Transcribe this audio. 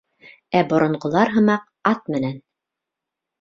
Ә боронғолар һымаҡ ат менән...